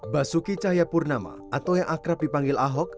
basuki cahayapurnama atau yang akrab dipanggil ahok